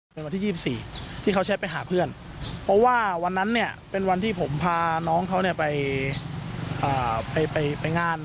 เป็นวันที่๒๔ที่เขาแชทไปหาเพื่อนเพราะว่าวันนั้นเนี่ยเป็นวันที่ผมพาน้องเขาไปงาน